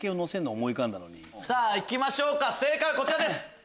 いきましょうか正解はこちらです。